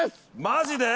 マジで？